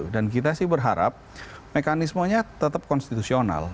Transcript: kita sih berharap mekanismenya tetap konstitusional